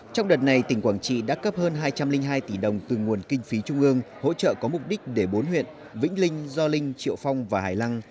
trong đợt này tỉnh quảng trị đã cấp hơn hai trăm linh hai tỷ đồng từ nguồn kinh phí trung ương hỗ trợ có mục đích để bốn huyện vĩnh linh do linh triệu phong và hải lăng